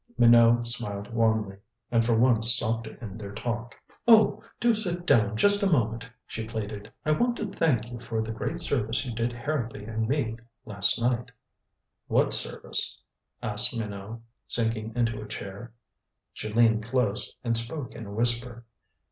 Minot smiled wanly, and for once sought to end their talk. "Oh, do sit down just a moment," she pleaded. "I want to thank you for the great service you did Harrowby and me last night." "Wha what service?" asked Minot, sinking into a chair. She leaned close, and spoke in a whisper.